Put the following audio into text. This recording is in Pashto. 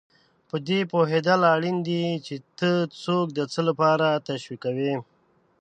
په دې پوهېدل اړین دي چې ته څوک د څه لپاره تشویقوې.